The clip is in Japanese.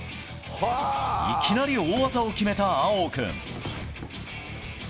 いきなり大技を決めた葵央君。